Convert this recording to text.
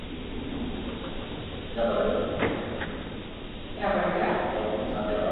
Gaur buruzagi militarrekin eta bere talde ekonomikoarekin batzartuko da.